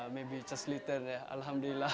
mungkin hanya sedikit saja alhamdulillah